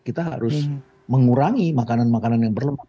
kita harus mengurangi makanan makanan yang berlemak